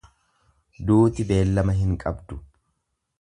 Duuti beellama hin qabdu.